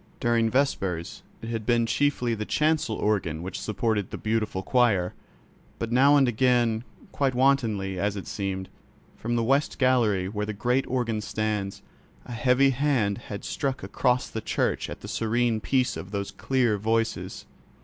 During vespers it had been chiefly the chancel organ which supported the beautiful choir, but now and again, quite wantonly as it seemed, from the west gallery where the great organ stands, a heavy hand had struck across the church at the serene peace of those clear voices.